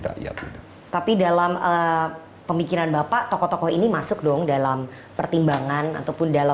rakyat tapi dalam pemikiran bapak tokoh tokoh ini masuk dong dalam pertimbangan ataupun dalam